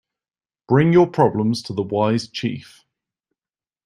Bring your problems to the wise chief.